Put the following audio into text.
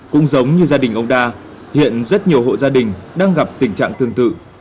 cũng giống như gia đình ông đa hiện rất nhiều hộ gia đình đang gặp tình trạng tương tự